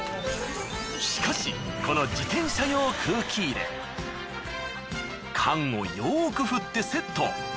しかしこの自転車用空気入れ缶をよく振ってセット。